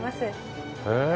へえ！